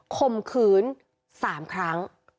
ข่มขืน๓ครั้ง